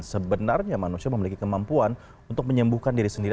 sebenarnya manusia memiliki kemampuan untuk menyembuhkan diri sendiri